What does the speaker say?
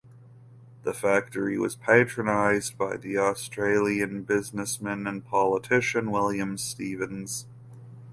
The factory was patronized by the Australian businessmen and politician William Stephens.